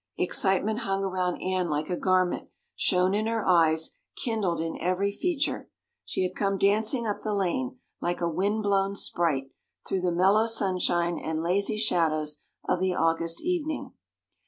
Excitement hung around Anne like a garment, shone in her eyes, kindled in every feature. She had come dancing up the lane, like a wind blown sprite, through the mellow sunshine and lazy shadows of the August evening.